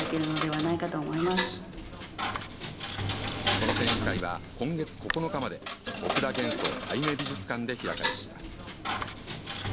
この展示会は今月９日まで奥田元宋・小由女美術館で開かれています。